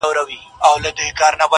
یار راوړی له سپوږمۍ ګل د سوما دی.